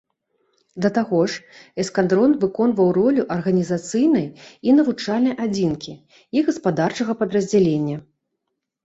Да таго ж, эскадрон выконваў ролю арганізацыйнай і навучальнай адзінкі і гаспадарчага падраздзялення.